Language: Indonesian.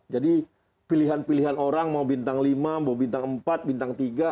jadi pilihan pilihan orang mau bintang lima mau bintang empat bintang tiga